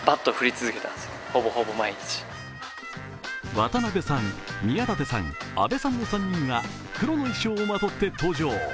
渡辺さん、宮舘さん、阿部さんの３人は黒の衣装をまとって登場。